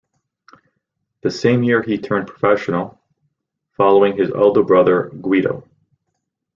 The same year he turned professional, following his elder brother Guido.